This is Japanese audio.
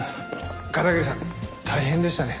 片桐さん大変でしたね